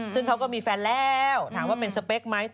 ซึ่งเขาก็มีแฟนแล้วถามว่าเป็นสเปคไหม